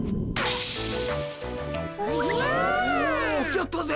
やったぜ！